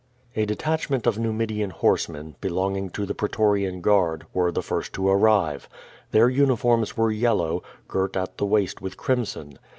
A detachment of Numidian horsemen, belonging to the pretorian guard, were the first to arrive. Their uniforms were yellow, girt at the waist with crimson.